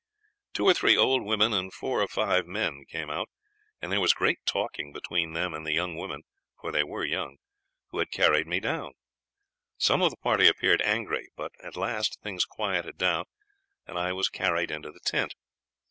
Two or three old women and four or five men came out, and there was great talking between them and the young women for they were young who had carried me down. Some of the party appeared angry; but at last things quieted down, and I was carried into the tent.